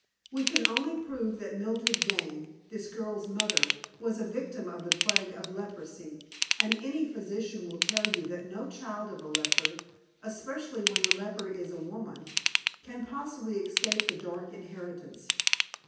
We can only prove that Mildred Dane this girl's mother was a victim of the plague of leprosy; and any physician will tell you that no child of a leper especially when the leper is a woman can possibly escape the dark inheritance.